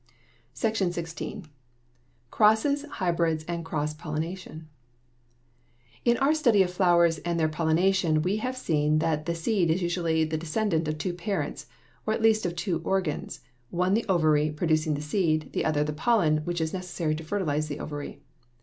SECTION XVI. CROSSES, HYBRIDS, AND CROSS POLLINATION In our study of flowers and their pollination we have seen that the seed is usually the descendant of two parents, or at least of two organs one the ovary, producing the seed; the other the pollen, which is necessary to fertilize the ovary.